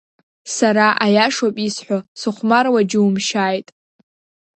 Сара аиашоуп исҳәо, сыхәмаруа џьумшьааит.